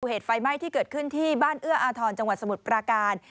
เหตุไฟไหม้ที่เกิดขึ้นที่บ้านเอื้ออาทรจังหวัดสมุทรปราการ